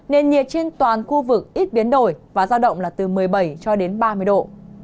nền nhiệt trên toàn khu vực ít biến đổi và giao động là từ một mươi bảy cho đến ba mươi độ